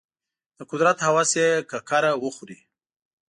د قدرت هوس یې ککره وخوري.